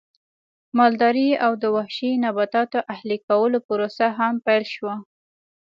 مالدارۍ او د وحشي نباتاتو اهلي کولو پروسه هم پیل شوه